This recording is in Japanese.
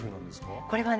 これはね